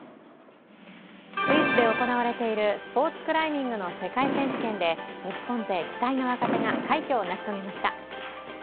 スイスで行われているスポーツクライミングの世界選手権で日本勢期待の若手が快挙を成し遂げました。